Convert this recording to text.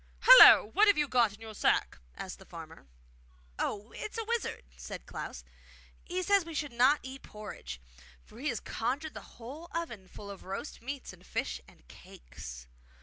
'Hallo! what have you got in your sack?' asked the farmer. 'Oh, it is a wizard!' said Little Klaus. 'He says we should not eat porridge, for he has conjured the whole oven full of roast meats and fish and cakes.